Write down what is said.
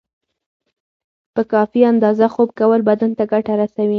په کافی اندازه خوب کول بدن ته ګټه رسوی